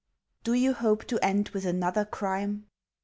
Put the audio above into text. L. Do you hope to end with another crime